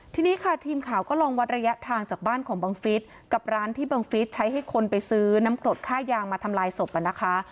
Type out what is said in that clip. ทีนี้ค่ะทีมข่าวก็ลองวัดระยะทางจากบ้านของบังฟิศกับร้านที่บังฟิศใช้ให้คนไปซื้อน้ำกรดค่ายางมาทำลายศพนะคะ